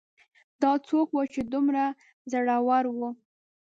دا څوک و چې دومره زړور و